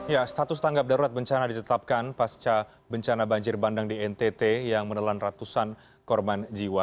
ya status tanggap darurat bencana ditetapkan pasca bencana banjir bandang di ntt yang menelan ratusan korban jiwa